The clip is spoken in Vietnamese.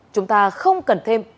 chúng ta không cần thêm